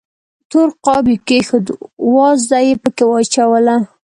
تور قاب یې کېښود، وازده یې پکې واچوله.